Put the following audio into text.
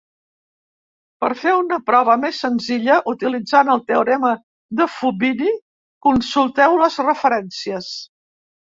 Per fer una prova més senzilla utilitzant el teorema de Fubini, consulteu les referències.